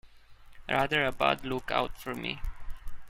Rather a bad look-out for me!